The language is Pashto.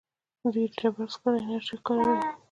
دوی د ډبرو سکرو انرژي کاروي.